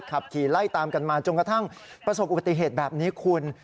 ขับขี่ไล่ตามกันมาจนกระทั่งประสบอุบัติเหตุแบบนี้คุณ